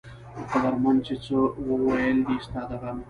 قدرمند چې څۀ وئيل دي ستا د غمه